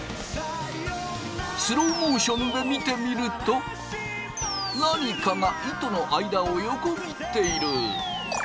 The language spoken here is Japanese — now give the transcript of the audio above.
スローモーションで見てみると何かが糸の間を横切っている。